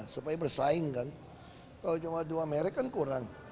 supaya bersaing kan kalau cuma dua merek kan kurang